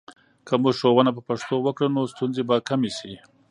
که موږ ښوونه په پښتو وکړو، نو ستونزې به کمې سي.